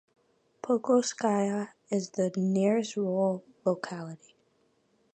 Pokrovskaya is the nearest rural locality.